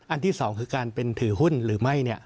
ที่๒คือการเป็นถือหุ้นหรือไม่